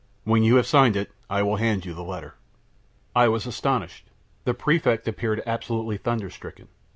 When you have signed it, I will hand you the letter." I was astounded. The Prefect appeared absolutely thunder stricken.